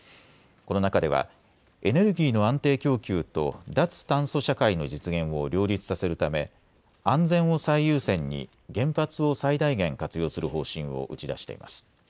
この中ではエネルギーの安定供給と脱炭素社会の実現を両立させるため安全を最優先に原発を最大限活用する方針を打ち出しています。